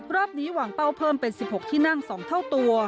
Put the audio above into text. รอบนี้วางเป้าเพิ่มเป็น๑๖ที่นั่ง๒เท่าตัว